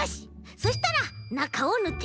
そしたらなかをぬってく。